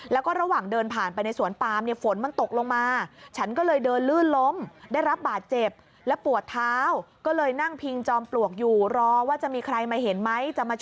แล้วก็ระหว่างเดินผ่านไปในสวนปาล์มฝนมันตกลงมา